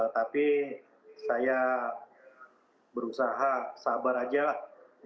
tapi saya berusaha sabar aja lah